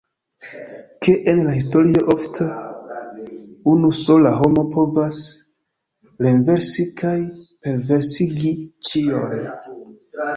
Ke en la historio ofte unu sola homo povas renversi kaj perversigi ĉion.